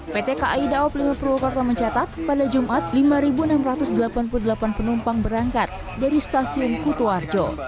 pt kai daob lima purwakarta mencatat pada jumat lima enam ratus delapan puluh delapan penumpang berangkat dari stasiun kutuwarjo